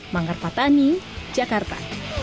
manggar patani jakarta